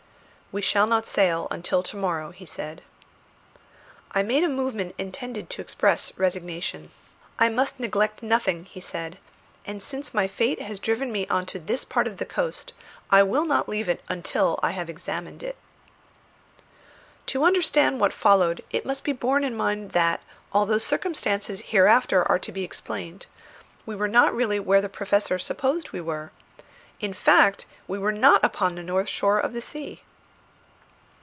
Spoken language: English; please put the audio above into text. "We shall not sail until to morrow," he said. I made a movement intended to express resignation. "I must neglect nothing," he said; "and since my fate has driven me on this part of the coast, I will not leave it until I have examined it." To understand what followed, it must be borne in mind that, through circumstances hereafter to be explained, we were not really where the Professor supposed we were. In fact we were not upon the north shore of the sea.